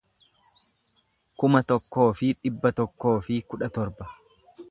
kuma tokkoo fi dhibba tokkoo fi kudha torba